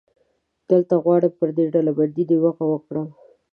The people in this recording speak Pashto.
دلته غواړم پر دې ډلبندۍ نیوکې وکړم.